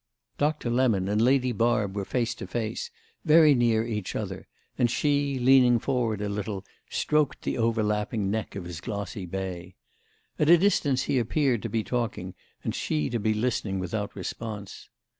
Doctor Lemon and Lady Barb were face to face, very near each other, and she, leaning forward a little, stroked the overlapping neck of his glossy bay. At a distance he appeared to be talking and she to be listening without response.